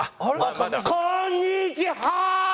こんにち歯！！